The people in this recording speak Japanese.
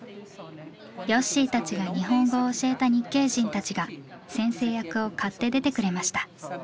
よっしーたちが日本語を教えた日系人たちが先生役を買って出てくれました。